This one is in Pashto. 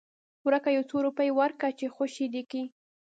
ورکه يو څو روپۍ ورکه چې خوشې دې کي.